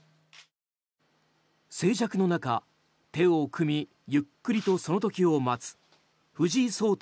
静寂の中、手を組みゆっくりとその時を待つ藤井聡太